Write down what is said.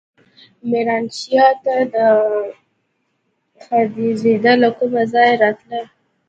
ميرانشاه ته خدايزده له کوم ځايه راته.